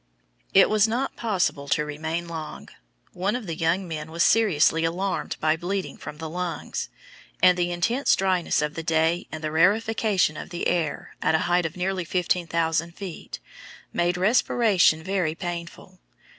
It was not possible to remain long. One of the young men was seriously alarmed by bleeding from the lungs, and the intense dryness of the day and the rarefication of the air, at a height of nearly 15,000 feet, made respiration very painful.